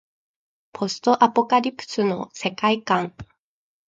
ポストアポカリプスの世界観